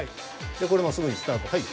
これもすぐにスタートはい。